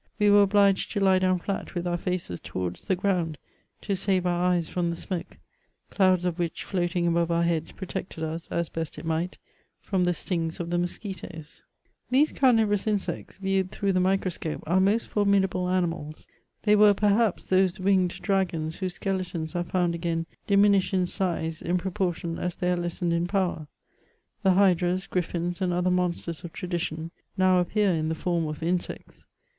We were obliged to lie down flat with our faces towards the ground to save our eyes from the smoke, clouds of which floating above our heads protected us, as best it might, from the stings of the musqui toes. These carnivorous insects, viewed through the microscope, are most formidable animals. They were, perhaps, those winged dragons whose skeletons are found again, diminished in size in proportion as they are lessened in power — the hydras, griffins, and other monsters of tradition, now appear in the form of insects.